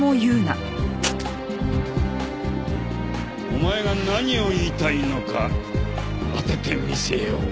お前が何を言いたいのか当ててみせよう。